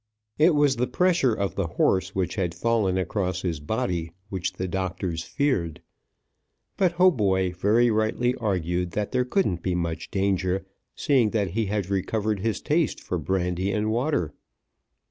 It was the pressure of the horse which had fallen across his body which the doctors feared. But Hautboy very rightly argued that there couldn't be much danger, seeing that he had recovered his taste for brandy and water.